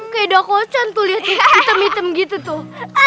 kaya ada kocan tuh liat tuh hitam hitam gitu tuh